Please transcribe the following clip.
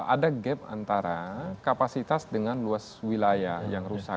ada gap antara kapasitas dengan luas wilayah yang rusak